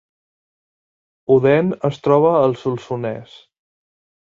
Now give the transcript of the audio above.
Odèn es troba al Solsonès